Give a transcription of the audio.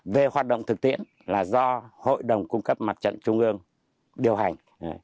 về hoạt động thực tiễn là do hội đồng cung cấp mặt trận trung ương điều hành